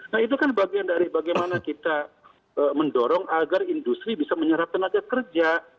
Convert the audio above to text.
nah itu kan bagian dari bagaimana kita mendorong agar industri bisa menyerap tenaga kerja